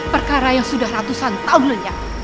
perkara yang sudah ratusan tahun ledak